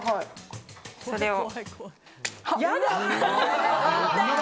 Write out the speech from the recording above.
それを。